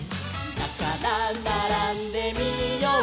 「だからならんでみよう」